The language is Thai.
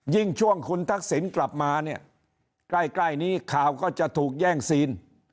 ยิ่งช่วงคุณทักษิณกลับมาเนี่ยใกล้นี้ข่าวก็จะถูกแย่งซีน